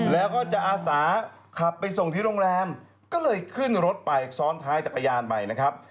แล้วก็จะอาสาขับไปส่งที่โรงแรมก็เลยขึ้นรถไปซ้อนท้ายจักรยานไปนะครับ